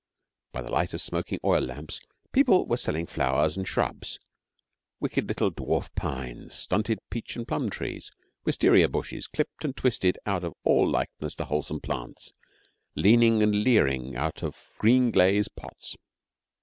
By the light of smoking oil lamps people were selling flowers and shrubs wicked little dwarf pines, stunted peach and plum trees, wisteria bushes clipped and twisted out of all likeness to wholesome plants, leaning and leering out of green glaze pots.